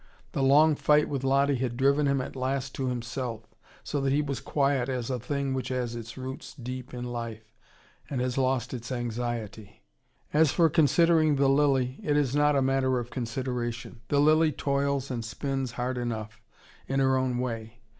The long fight with Lottie had driven him at last to himself, so that he was quiet as a thing which has its root deep in life, and has lost its anxiety. As for considering the lily, it is not a matter of consideration. The lily toils and spins hard enough, in her own way.